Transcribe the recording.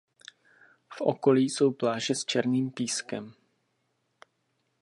V okolí jsou pláže s černým pískem.